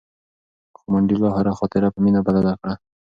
خو منډېلا هره خاطره په مینه بدله کړه.